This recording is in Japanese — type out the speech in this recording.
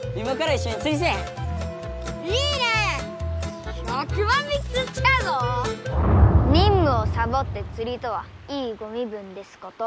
にんむをさぼってつりとはいいご身分ですこと。